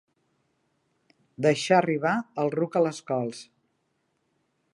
Deixar arribar el ruc a les cols.